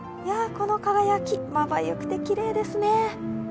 この輝き、まばゆくてきれいですね